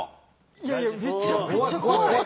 いやいやめちゃくちゃ怖い。